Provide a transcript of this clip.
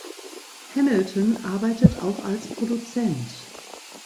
Hamilton arbeitet auch als Produzent.